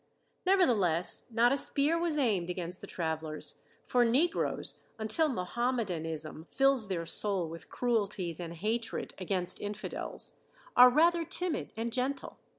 Nevertheless, not a spear was aimed against the travelers, for negroes, until Mohammedanism fills their souls with cruelties and hatred against infidels, are rather timid and gentle.